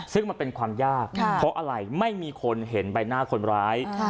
ซึ่งมันเป็นความยากเพราะอะไรไม่มีคนเห็นใบหน้าคนร้าย